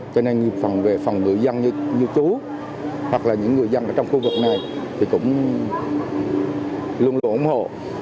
cho nên phần về phòng người dân như chú hoặc là những người dân ở trong khu vực này thì cũng luôn luôn ủng hộ